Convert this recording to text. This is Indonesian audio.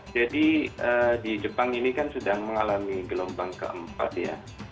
jadi di jepang ini kan sudah mengalami gelombang keempat ya